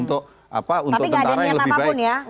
untuk tentara yang lebih baik